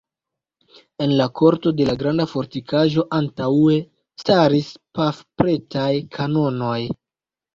En la korto de la granda fortikaĵo antaŭe staris pafpretaj kanonoj.